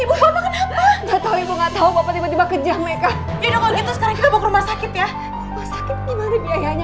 udah bocet belum ya